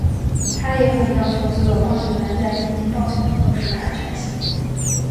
他也很要求所有棒球员在进行棒球运动时的安全性。